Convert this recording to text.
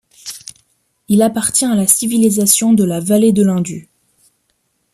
Il appartient à la Civilisation de la vallée de l'Indus.